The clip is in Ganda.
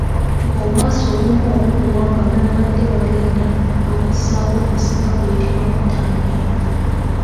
Omwasi ogumu ogukubwa nga babadde bagenda okussaako omusika guyitibwa muttangendo.